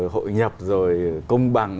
hội nhập rồi công bằng